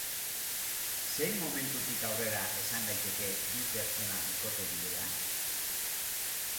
Zein momentutik aurrera esan daiteke bi pertsona bikote direla?